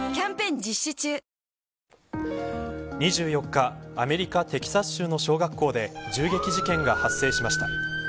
２４日アメリカ、テキサス州の小学校で銃撃事件が発生しました。